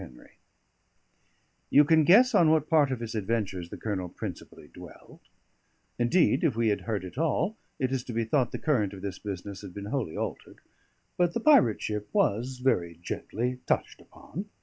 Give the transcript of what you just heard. HENRY You can guess on what part of his adventures the Colonel principally dwelled. Indeed, if we had heard it all, it is to be thought the current of this business had been wholly altered; but the pirate ship was very gently touched upon.